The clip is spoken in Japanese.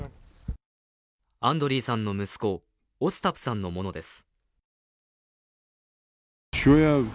アンドリーさんの息子、オスタプさんのものです。